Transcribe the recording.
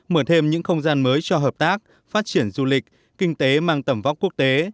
mở thêm những không gian mới cho hợp tác phát triển du lịch kinh tế mang tầm vóc quốc tế